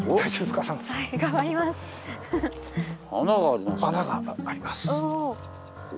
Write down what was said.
穴があります。